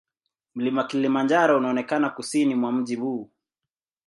Mlima Kilimanjaro unaonekana kusini mwa mji huu.